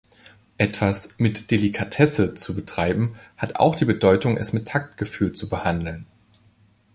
Etwas „mit Delikatesse“ zu betreiben, hatte auch die Bedeutung, es mit Taktgefühl zu behandeln.